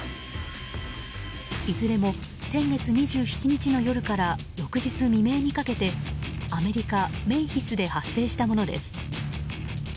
いずれも先月２７日の夜から翌日未明にかけてアメリカ・メンフィスで発生したものです。